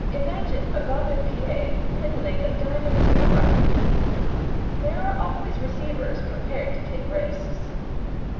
Imagine a va nu pieds peddling a diamond tiara!" "There are always receivers prepared to take risks."